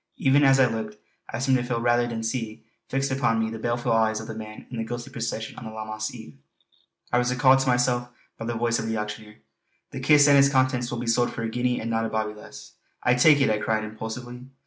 Even as I looked, I seemed to feel rather than see fixed upon me the baleful eyes of the man in the ghostly procession on that Lammas eve. I was recalled to myself by the voice of the auctioneer: "The kist and its contents will be sold for a guinea and not a bawbee less." "I take it!" I cried impulsively.